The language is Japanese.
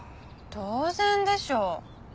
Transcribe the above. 当然でしょう。